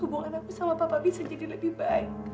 hubungan aku sama papa bisa jadi lebih baik